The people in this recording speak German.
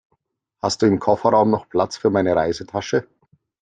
Hast du im Kofferraum noch Platz für meine Reisetasche?